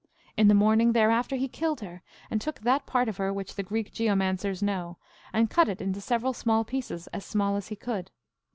In the morning thereafter he killed her, and took that part of her which the Greek geomancers know, and cut it into several small pieces as small as he could.